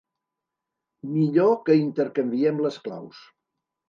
Millor que intercanviem les claus.